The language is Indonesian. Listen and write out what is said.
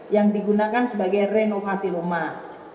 yang digunakan sebagai renovasi rumah